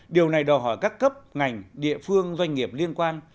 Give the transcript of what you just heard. điều này đòi hỏi các cấp ngành địa phương doanh nghiệp liên quan